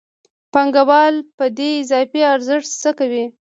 پانګوال په دې اضافي ارزښت څه کوي